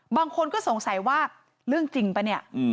บางคนก็สงสัยว่าเรื่องจริงป่ะเนี่ย